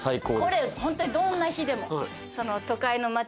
これホントにどんな日でも。